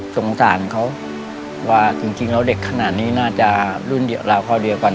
สงสารเขาว่าจริงแล้วเด็กขนาดนี้น่าจะรุ่นราวคราวเดียวกัน